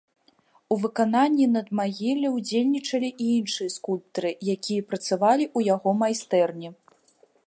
У выкананні надмагілля ўдзельнічалі і іншыя скульптары, якія працавалі ў яго майстэрні.